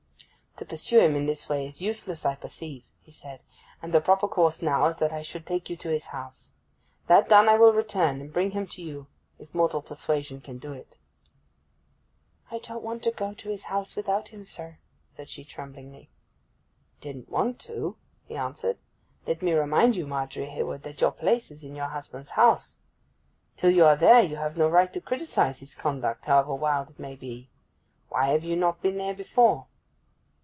'To pursue him in this way is useless, I perceive,' he said. 'And the proper course now is that I should take you to his house. That done I will return, and bring him to you if mortal persuasion can do it.' 'I didn't want to go to his house without him, sir,' said she, tremblingly. 'Didn't want to!' he answered. 'Let me remind you, Margery Hayward, that your place is in your husband's house. Till you are there you have no right to criticize his conduct, however wild it may be. Why have you not been there before?